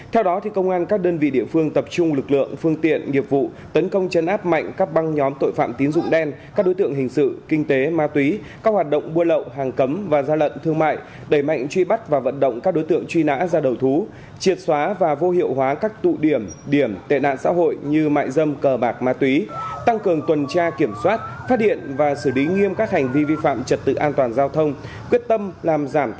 theo đó công an các đơn vị địa phương tập trung lực lượng phương tiện nghiệp vụ tấn công chấn áp mạnh các băng nhóm tội phạm tín dụng đen các đối tượng hình sự kinh tế ma túy các hoạt động bua lậu hàng cấm và gia lận thương mại đẩy mạnh truy bắt và vận động các đối tượng truy nã ra đầu thú triệt xóa và vô hiệu hóa các tụ điểm điểm tệ nạn xã hội như mại dâm cờ bạc ma túy tăng cường tuần tra kiểm soát phát điện và xử lý nghiêm các hành vi vi phạm trật tự an toàn giao thông quyết tâm làm